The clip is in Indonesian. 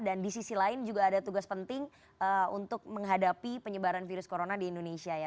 dan di sisi lain juga ada tugas penting untuk menghadapi penyebaran virus corona di indonesia ya